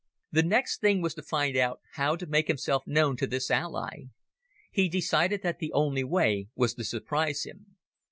The next thing was to find out how to make himself known to this ally. He decided that the only way was to surprise him.